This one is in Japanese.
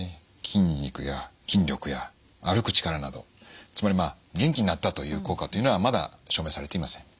筋肉や筋力や歩く力などつまりまあ元気になったという効果っていうのはまだ証明されていません。